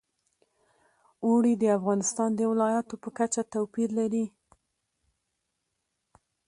اوړي د افغانستان د ولایاتو په کچه توپیر لري.